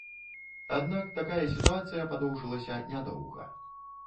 Аднак такая сітуацыя падоўжылася нядоўга.